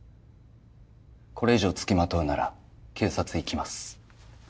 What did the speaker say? これ以上付きまとうなら警察行きます。